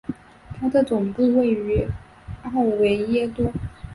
它的总部位于奥维耶多。